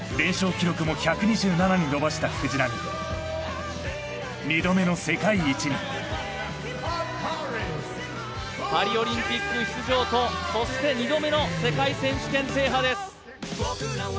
記録も１２７に伸ばした藤波２度目の世界一にパリオリンピック出場とそして２度目の世界選手権制覇です